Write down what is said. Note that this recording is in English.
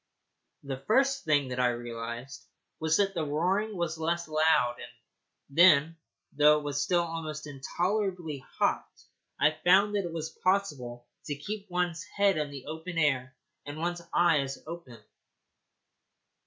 The first thing that I realized was that the roaring was less loud, and then, though it was still almost intolerably hot, I found that it was possible to keep one's head in the open air and one's eyes open.